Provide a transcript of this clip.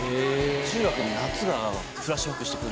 中学の夏がフラッシュバックしてくる。